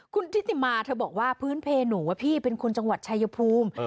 คุณทิติมาเธอบอกว่าพื้นเพหนูพี่เป็นคนจังหวัดชายภูมิ